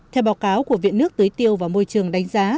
theo báo cáo của viện nước tưới tiêu và môi trường đánh giá